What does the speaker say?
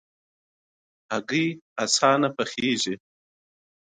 هګۍ ارزانه پخلی لري.